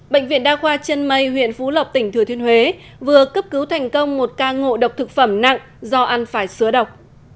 bệnh viện đa khoa chân mây huyện phú lộc tỉnh thừa thiên huế vừa cấp cứu thành công một ca ngộ độc thực phẩm nặng do ăn phải sứa độc